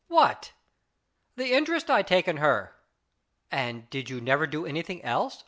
251 " What ?"" The interest I take in her." " And did you never do anything else